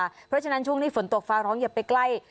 เพราะฉะนั้นช่วงนี้ฝนตกฟ้าร้องอย่าไปใกล้